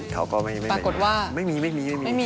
เขาก็ไม่มีไม่มีไม่มีไม่มีใครปรากฏว่า